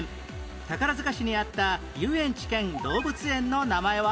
宝塚市にあった遊園地兼動物園の名前は？